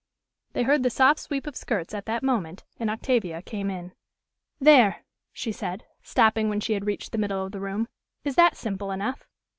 They heard the soft sweep of skirts at that moment, and Octavia came in. "There!" she said, stopping when she had reached the middle of the room. "Is that simple enough?"